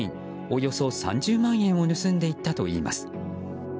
およそ３０万円を盗んでいったといいます。